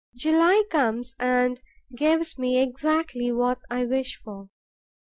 July comes and gives me exactly what I wish for.